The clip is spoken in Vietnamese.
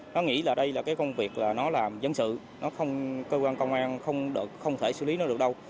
vì là cái công việc là nó làm dân sự cơ quan công an không thể xử lý nó được đâu